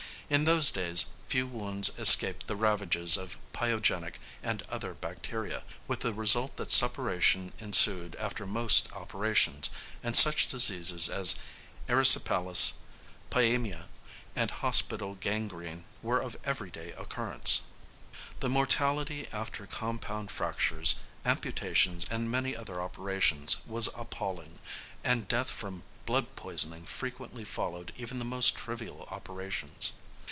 In those days few wounds escaped the ravages of pyogenic and other bacteria, with the result that suppuration ensued after most operations, and such diseases as erysipelas, pyæmia, and "hospital gangrene" were of everyday occurrence. The mortality after compound fractures, amputations, and many other operations was appalling, and death from blood poisoning frequently followed even the most trivial operations.